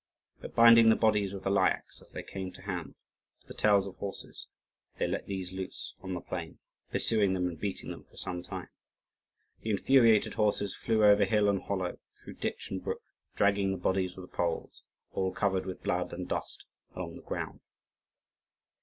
But binding the bodies of the Lyakhs, as they came to hand, to the tails of horses, they let these loose on the plain, pursuing them and beating them for some time. The infuriated horses flew over hill and hollow, through ditch and brook, dragging the bodies of the Poles, all covered with blood and dust, along the ground.